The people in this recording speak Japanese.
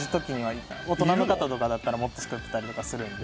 大人の方だったらもっとすくってたりするので。